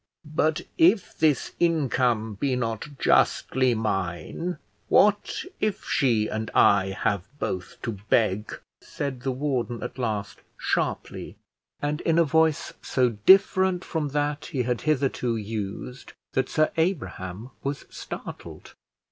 "But if this income be not justly mine, what if she and I have both to beg?" said the warden at last, sharply, and in a voice so different from that he had hitherto used, that Sir Abraham was startled.